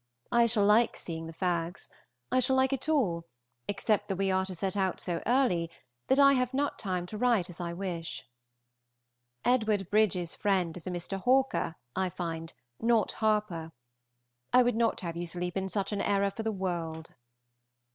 I shall like seeing the Faggs. I shall like it all, except that we are to set out so early that I have not time to write as I would wish. Edwd. Bridges's friend is a Mr. Hawker, I find, not Harpur. I would not have you sleep in such an error for the world.